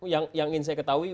yang ingin saya ketahui